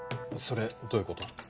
それどういうこと？